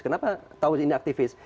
kenapa tahu ini aktivis